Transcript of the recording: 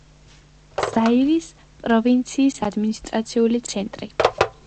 ზაირეს პროვინციის ადმინისტრაციული ცენტრი.